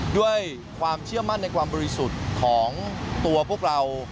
ด้วยความเชื่อมั่นในความบริสุทธิ์ของตัวพวกเรา